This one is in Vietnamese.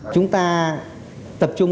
chúng ta tập trung